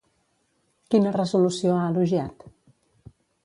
Quina resolució ha elogiat?